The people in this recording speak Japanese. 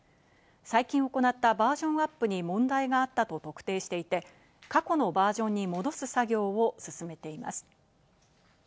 最近行ったバージョンアップに問題があったと特定していて、過去のバージョンに戻す作業を進めています。